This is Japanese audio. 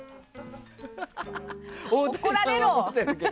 怒られろ！